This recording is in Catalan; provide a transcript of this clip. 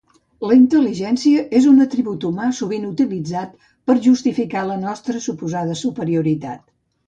La intel·ligència és un atribut humà sovint utilitzat per justificar la nostra suposada superioritat.